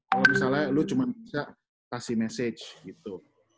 kalau misalnya lu cuma bisa kasih message gitu